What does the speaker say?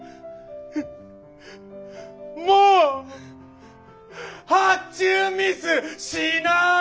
もう発注ミスしない？